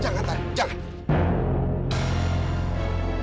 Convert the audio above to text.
jangan tani jangan